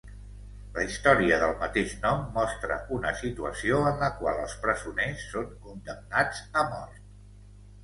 La història del mateix nom mostra una situació en la qual els presoners són condemnats a mort.